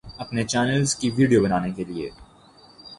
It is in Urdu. اپنے چینلز کی ویڈیو بنانے کے لیے